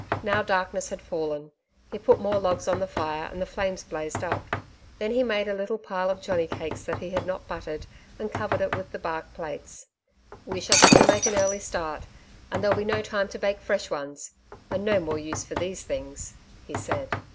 Now darkness had fallen. He put more logs on the fire, and the flames blazed up. Then he made up a little pile of johnny cakes that he had not buttered, and covered it with the bark plates. 'We shall have to make an early start, and there'll be no time to bake fresh ones and no more use for these things,' he said.